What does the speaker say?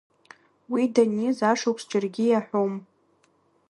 Уи даниз ашықәс џьаргьы иаҳәом.